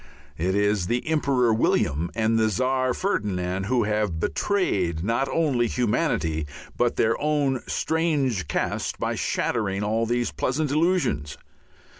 It is the Emperor William and the Czar Ferdinand who have betrayed not only humanity but their own strange caste by shattering all these pleasant illusions.